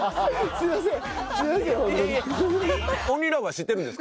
すみません。